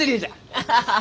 アハハハ。